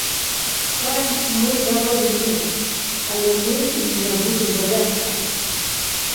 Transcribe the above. Хай мы заробім менш, але мы не будзем баяцца.